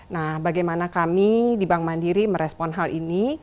nah bagaimana kami di bank mandiri merespon hal ini